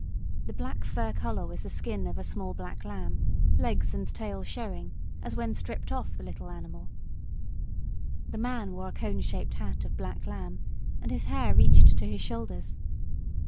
The black fur collar was the skin of a small black lamb, legs and tail showing, as when stripped off the little animal. The man wore a cone shaped hat of black lamb and his hair reached to his shoulders.